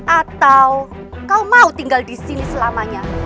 atau kau mau tinggal di sini selama ini